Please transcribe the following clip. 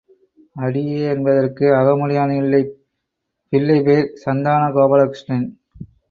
அடியே என்பதற்கு அகமுடையான் இல்லை பிள்ளை பேர் சந்தான கோபால கிருஷ்ணன்.